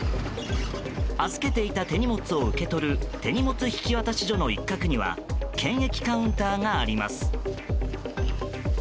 預けていた手荷物を受け取る手荷物引渡所の一角には検疫カウンターがあります。